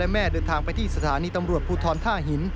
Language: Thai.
แม่เดินทางไปที่สถานีตำรวจภูทรท่าหิน